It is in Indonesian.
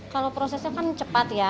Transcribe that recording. kalau prosesnya kan cepat ya